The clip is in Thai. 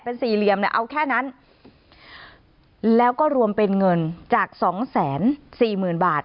เป็นสี่เหลี่ยมเนี่ยเอาแค่นั้นแล้วก็รวมเป็นเงินจาก๒๔๐๐๐๐๐บาท